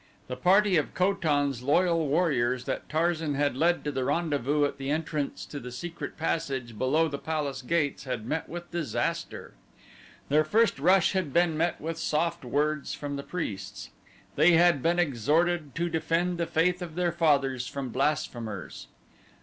The party of Ko tan's loyal warriors that Tarzan had led to the rendezvous at the entrance to the secret passage below the palace gates had met with disaster. Their first rush had been met with soft words from the priests. They had been exhorted to defend the faith of their fathers from blasphemers.